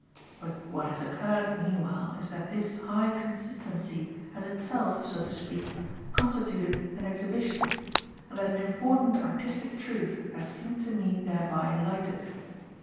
But what has occurred meanwhile is that this high consistency has itself, so to speak, constituted an exhibition, and that an important artistic truth has seemed to me thereby lighted.